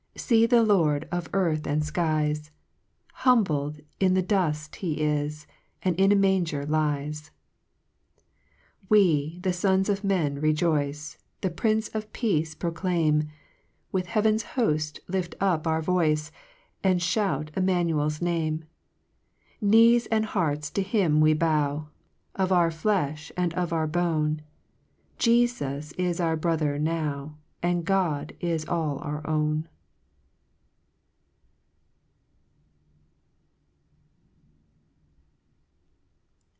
Sec the Lord of earth and Ikies ! Humbled to the dufl, he is, And in a manger lies ! •1 We, the fons of men, rejoice, The Prince of Peace proclaim, With heaven's hoft lift up our voice, And fliout Immanuel's Name: Knees and hearts to him we bow, Of our flefh and of our bone, Jefus is our brother now, And God is all our own.